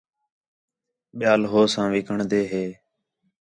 ٻِیال ہو ساں وِکݨ دے ہِے